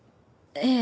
ええ。